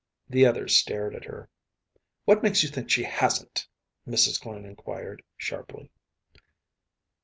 The others stared at her. “What makes you think she hasn‚Äôt?‚ÄĚ Mrs. Glynn inquired, sharply.